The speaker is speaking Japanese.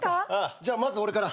じゃあまず俺から。